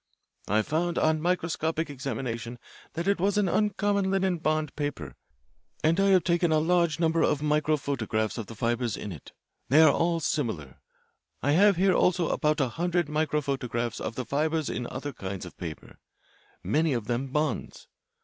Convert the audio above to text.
"I found on microscopic examination that it was an uncommon linen bond paper, and I have taken a large number of microphotographs of the fibres in it. They are all similar. I have here also about a hundred microphotographs of the fibres in other kinds of paper, many of them bonds.